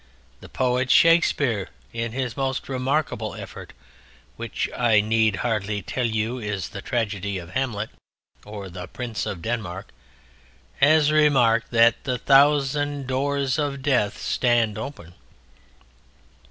The poet Shakespeare in his most remarkable effort, which, I need hardly tell you, is the tragedy of Hamlet, or the Prince of Denmark, has remarked that the thousand doors of death stand open.